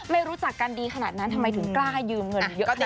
รู้จักกันดีขนาดนั้นทำไมถึงกล้ายืมเงินเยอะแยะ